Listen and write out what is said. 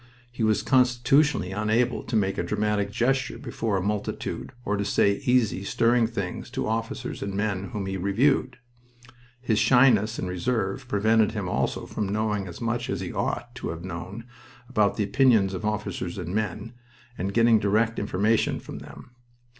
He was constitutionally unable to make a dramatic gesture before a multitude, or to say easy, stirring things to officers and men whom he reviewed. His shyness and reserve prevented him also from knowing as much as he ought to have known about the opinions of officers and men, and getting direct information from them.